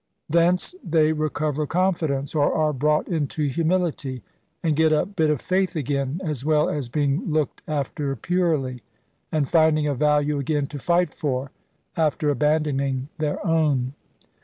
Thence they recover confidence, or are brought into humility, and get a bit of faith again, as well as being looked after purely, and finding a value again to fight for, after abandoning their own.